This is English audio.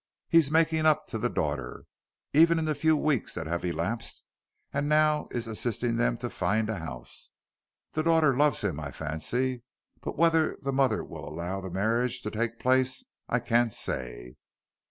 He's making up to the daughter, even in the few weeks that have elapsed, and now is assisting them to find a house. The daughter loves him I fancy, but whether the mother will allow the marriage to take place I can't say."